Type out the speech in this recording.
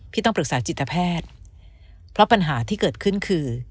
ต้องปรึกษาจิตแพทย์เพราะปัญหาที่เกิดขึ้นคือ